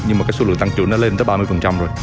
nhưng mà cái số lượng tăng trưởng nó lên tới ba mươi rồi